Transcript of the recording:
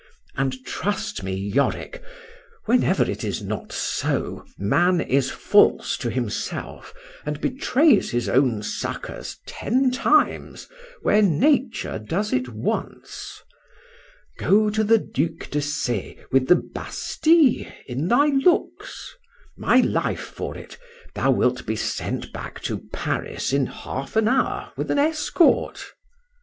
And trust me, Yorick, whenever it is not so, man is false to himself and betrays his own succours ten times where nature does it once. Go to the Duc de C— with the Bastile in thy looks;—my life for it, thou wilt be sent back to Paris in half an hour with an escort.